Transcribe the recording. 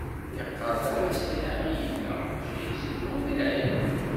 Yeqqar d amasiḥi i yella maca izellu deg lɛid